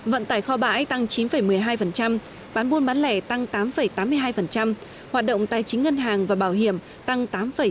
vận tải kho bãi tăng chín một mươi hai bán buôn bán lẻ tăng tám tám mươi hai hoạt động tài chính ngân hàng và bảo hiểm tăng tám sáu mươi